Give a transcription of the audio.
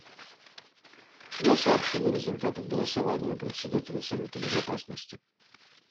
Я сообщила результаты голосования Председателю Совета Безопасности.